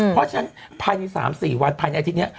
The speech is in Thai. เพราะฉะนั้นผ่าน๓๔วันผ่านอาทิตย์เนี้ย